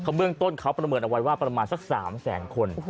เบื้องต้นเขาประเมินเอาไว้ว่าประมาณสัก๓แสนคน